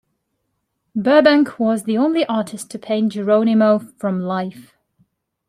Burbank was the only artist to paint Geronimo from life.